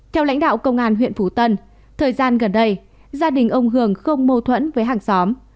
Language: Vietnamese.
theo lãnh đạo công an huyện phú tân thời gian gần đây gia đình ông hường không mâu thuẫn với hàng xóm